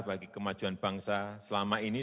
bagi kemajuan bangsa selama ini